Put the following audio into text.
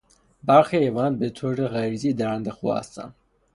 برخی حیوانات به طور غریزی درنده خو هستند.